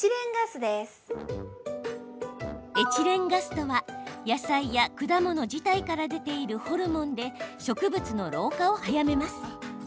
エチレンガスとは野菜や果物自体から出ているホルモンで植物の老化を早めます。